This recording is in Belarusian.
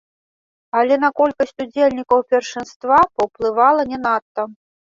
Але на колькасць удзельнікаў першынства паўплывала не надта.